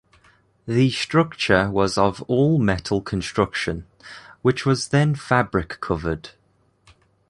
The structure was of all-metal construction, which was then fabric-covered.